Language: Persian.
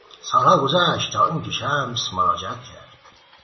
سالها گذشت تا اینکه شمس مراجعت کرد.